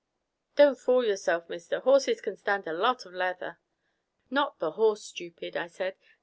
"Don't fool yourself, mister. Horses can stand a lot of leather." "Not the horse, stupid," I said.